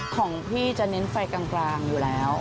ของพี่จะเน้นไฟกลางอยู่แล้ว